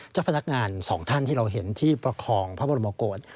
เจ้าพนักงานสองท่านที่เราเห็นที่ประคองพระบรมโกศ